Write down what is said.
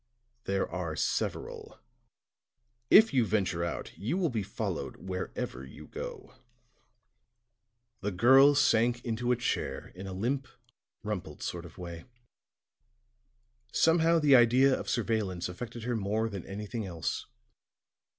"There are several. If you venture out you will be followed wherever you go." The girl sank into a chair in a limp, rumpled sort of way; somehow the idea of surveillance affected her more than anything else.